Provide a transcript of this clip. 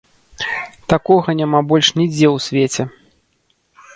Такога няма больш нідзе ў свеце!